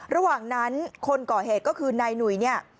ระหว่างนั้นคนก่อเหตุก็คือนายหนุ่ยเนี่ย